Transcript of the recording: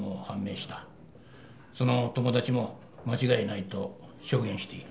その友達も間違いないと証言している。